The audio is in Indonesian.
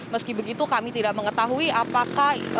meski begitu kami tidak mengetahui apakah